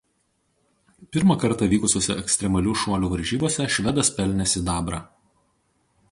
Pirmą kartą vykusiose ekstremalių šuolių varžybose švedas pelnė sidabrą.